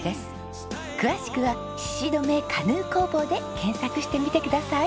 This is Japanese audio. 詳しくは「鹿留カヌー工房」で検索してみてください。